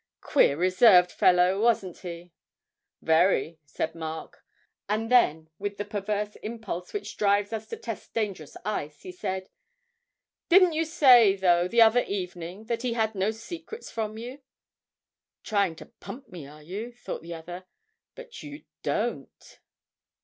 Queer reserved fellow, wasn't he?' 'Very,' said Mark; and then, with the perverse impulse which drives us to test dangerous ice, he added: 'Didn't you say, though, the other evening that he had no secrets from you?' ('Trying to pump me, are you?' thought the other; 'but you don't!')